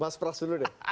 mas pras dulu deh